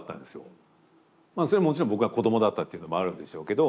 それはもちろん僕が子供だったっていうのもあるんでしょうけど。